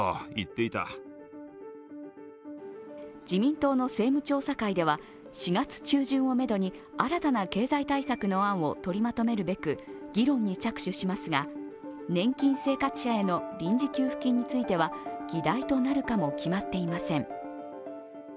自民党の政務調査会では、４月中旬をめどに新たな経済対策の案を取りまとめるべく議論に着手しますが年金生活者への臨時給付金については議題となるかも決まっていません。